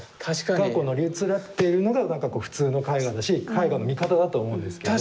深く乗り移っているのが何かこう普通の絵画だし絵画の見方だと思うんですけど。